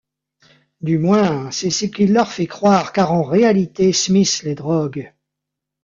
Du moins, c'est ce qu'il leur fait croire car en réalité Smith les drogue.